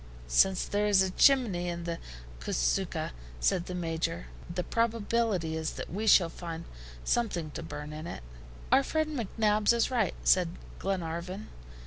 "Since there is a chimney in the CASUCHA," said the Major, "the probability is that we shall find something to burn in it." "Our friend McNabbs is right," said Glenarvan.